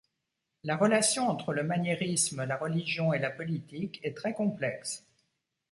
La relation entre le maniérisme, la religion et la politique est très complexe.